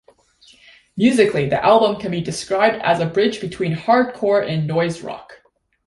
Musically, the album can be described as a bridge between hardcore and noise rock.